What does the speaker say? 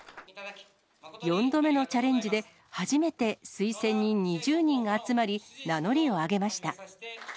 ４度目のチャレンジで、初めて推薦人２０人が集まり、名乗りを上げました。